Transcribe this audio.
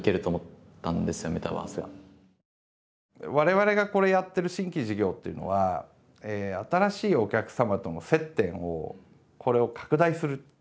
我々がこれやってる新規事業というのは新しいお客様との接点をこれを拡大する。